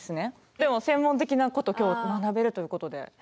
でも専門的なこと今日学べるということで楽しみですもう。